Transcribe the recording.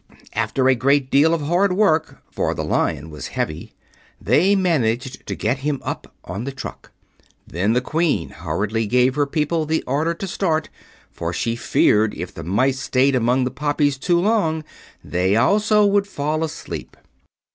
After a great deal of hard work, for the Lion was heavy, they managed to get him up on the truck. Then the Queen hurriedly gave her people the order to start, for she feared if the mice stayed among the poppies too long they also would fall asleep.